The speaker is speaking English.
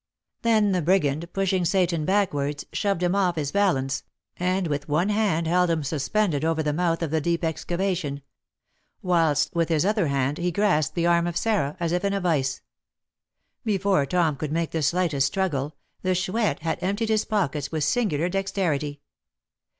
Then the brigand, pushing Seyton backwards, shoved him off his balance, and with one hand held him suspended over the mouth of the deep excavation; whilst, with his other hand, he grasped the arm of Sarah, as if in a vice. Before Tom could make the slightest struggle, the Chouette had emptied his pockets with singular dexterity.